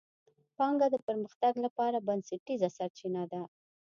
پانګه د پرمختګ لپاره بنسټیزه سرچینه ده.